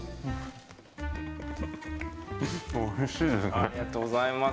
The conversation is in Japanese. ありがとうございます。